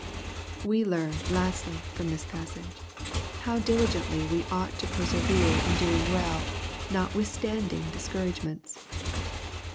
We learn, lastly, from this passage, how diligently we !' ought to persevere in welldoing^ notwithstanding discour^ agements.